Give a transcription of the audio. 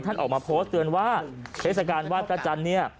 ออกมาโพสต์เตือนว่าเทศกาลวาดพระจันทร์เนี่ย